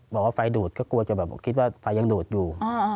บอกว่าไฟดูดก็กลัวจะแบบคิดว่าไฟยังดูดอยู่